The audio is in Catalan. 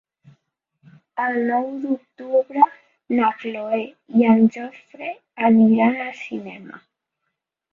El nou d'octubre na Cloè i en Jofre aniran al cinema.